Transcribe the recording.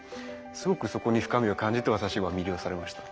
すごくそこに深みを感じて私は魅了されました。